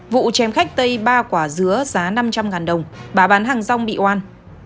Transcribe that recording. vụ chém khách tây ba quả dứa giá năm trăm linh đồng bà bán hàng rong bị oan